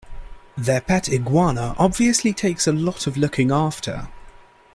Their pet iguana obviously takes a lot of looking after.